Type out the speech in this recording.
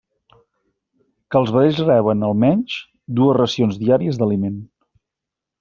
Que els vedells reben, almenys, dues racions diàries d'aliment.